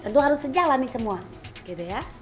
tentu harus sejalan nih semua gitu ya